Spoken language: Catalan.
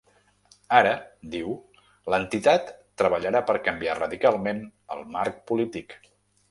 Ara, diu, l’entitat treballarà per canviar radicalment el marc polític.